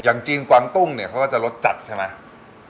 จีนกวางตุ้งเนี่ยเขาก็จะรสจัดใช่ไหม